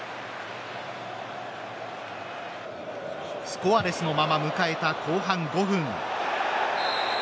スコアレスのまま迎えた後半５分。